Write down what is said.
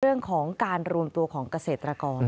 เรื่องของการรวมตัวของเกษตรกร